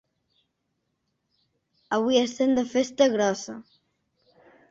Avui estem de festa grossa.